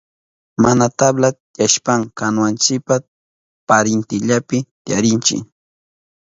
Mana tabla tiyashpan kanuwanchipi parintillapi tiyarinchi.